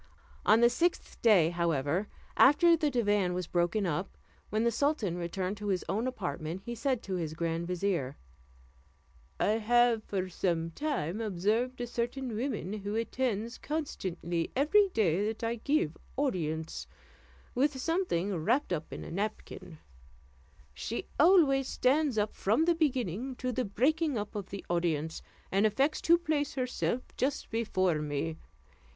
On the sixth day, however, after the divan was broken up, when the sultan returned to his own apartment, he said to his grand vizier; "I have for some time observed a certain woman, who attends constantly every day that I give audience, with something wrapped up in a napkin; she always stands up from the beginning to the breaking up of the audience, and affects to place herself just before me.